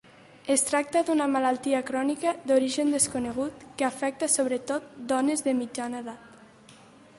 Es tracta d’una malaltia crònica d’origen desconegut, que afecta sobretot dones de mitjana edat.